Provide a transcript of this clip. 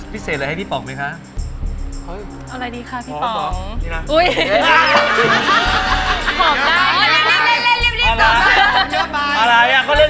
ตอบแล้วครับว่า๓